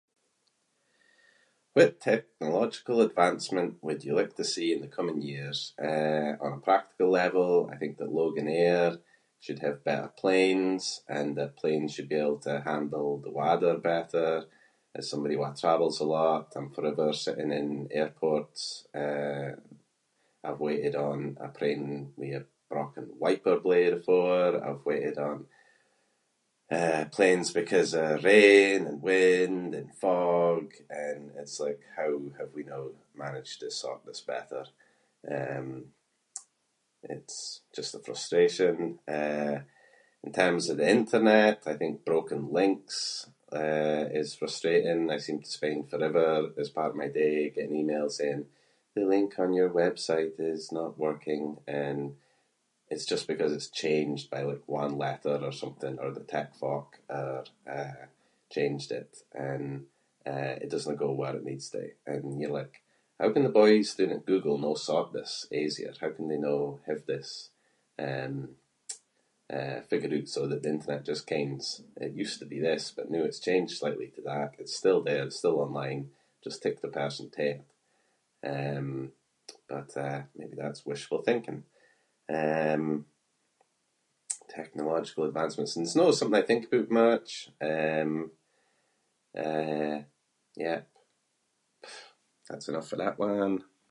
What technological advancement would you like to see in the coming years? Eh, on a practical level I think that Loganair should have better planes and that planes should be able to handle the weather better. As somebody who travels a lot I'm forever sitting in airports. Eh, I've waited on a plane with a broken wiper blade afore. I’ve waited on, eh, planes because of rain and wind and fog and it’s like how have we no managed to sort this better? Um, it’s just a frustration. Eh, in terms of the internet I think broken links, eh, is frustrating. I seem to spend forever as part of my day getting emails saying “the link on your website is not working” and it’s just because it’s changed by like one letter or something or the tech folk are, eh, changed it and eh, it doesnae go where it needs to and you’re like how can the boys doon at Google no sort this easier? How can they no have this, um, eh figure oot so that the internet just kens it used to be this but now it’s changed slightly to that. It’s still there, it’s still online, just take the person to it. Um, but uh, maybe that’s wishful thinking. Um, technological advancements. It’s no something I think aboot much. Um, eh, yep. That’s enough of that one.